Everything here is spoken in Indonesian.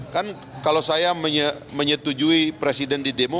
kan kalau saya menyetujui presiden di demo